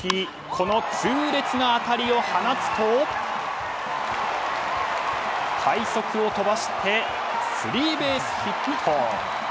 この痛烈な当たりを放つと快足を飛ばしてスリーベースヒット。